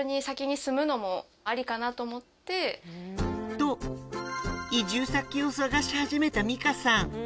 と移住先を探し始めたミカさん